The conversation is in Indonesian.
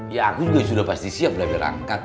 ya aku juga sudah pasti siap lah berangkat